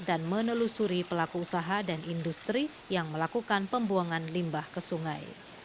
dan menelusuri pelaku usaha dan industri yang melakukan pembuangan limbah ke sungai